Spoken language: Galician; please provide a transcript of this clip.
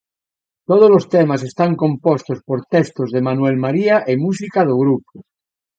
Todos os temas están compostos por textos de Manuel María e música do grupo.